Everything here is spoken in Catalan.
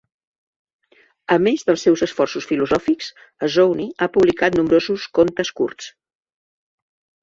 A més dels seus esforços filosòfics, Azzouni ha publicat nombrosos contes curts.